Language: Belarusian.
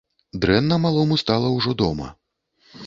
Дрэнна малому стала ўжо дома.